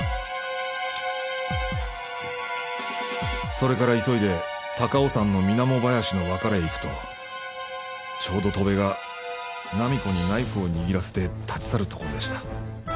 それから急いで高尾山の水面林の別れへ行くとちょうど戸辺が菜実子にナイフを握らせて立ち去るところでした。